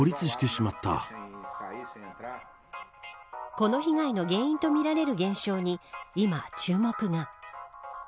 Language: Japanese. この被害の原因とみられる現象に今、注目が。